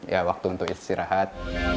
ya waktu untuk istirahat